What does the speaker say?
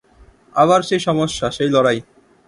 আবার সেই সমস্যা, সেই লড়াই!